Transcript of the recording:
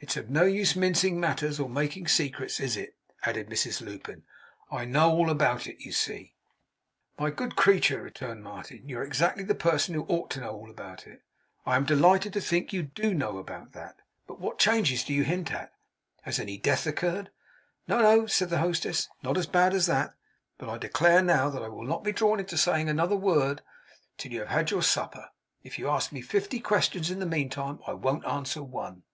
It's of no use mincing matters, or making secrets, is it?' added Mrs Lupin. 'I know all about it, you see!' 'My good creature,' returned Martin, 'you are exactly the person who ought to know all about it. I am delighted to think you DO know about that! But what changes do you hint at? Has any death occurred?' 'No, no!' said the hostess. 'Not as bad as that. But I declare now that I will not be drawn into saying another word till you have had your supper. If you ask me fifty questions in the meantime, I won't answer one.